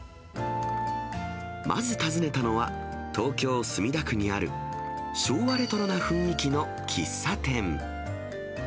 まず訪ねたのは、東京・墨田区にある、昭和レトロな雰囲気の喫茶店。